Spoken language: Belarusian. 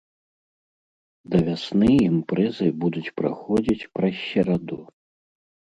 Да вясны імпрэзы будуць праходзіць праз сераду.